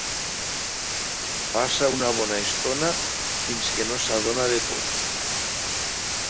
Passa una bona estona fins que no s'adona de tot.